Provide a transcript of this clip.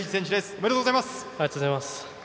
ありがとうございます。